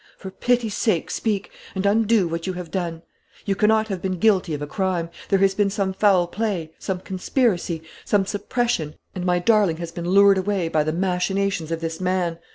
For pity's sake, speak, and undo what you have done. You cannot have been guilty of a crime. There has been some foul play, some conspiracy, some suppression; and my darling has been lured away by the machinations of this man.